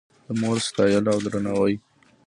د مور ستایل او درناوی